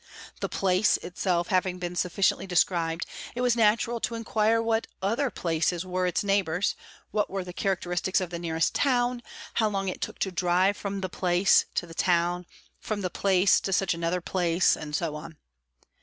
The "place" itself having been sufficiently described, it was natural to inquire what other "places" were its neighbours, what were the characteristics of the nearest town, how long it took to drive from the "place" to the town, from the "place" to such another "place," and so on.